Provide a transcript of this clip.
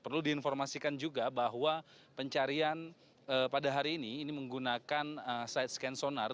perlu diinformasikan juga bahwa pencarian pada hari ini ini menggunakan side scan sonar